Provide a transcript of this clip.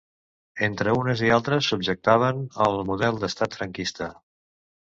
Entre unes i uns altres subjectaven el model d'estat franquista.